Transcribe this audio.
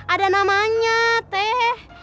ada namanya teh